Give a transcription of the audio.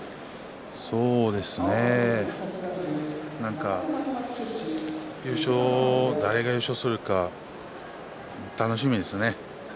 そうですね誰が優勝するか楽しみですね。